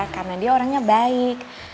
karena dia orangnya baik